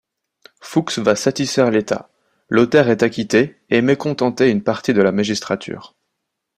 Fuchs va satisfaire l'État, Lothaire est acquitté, et mécontenter une partie de la magistrature.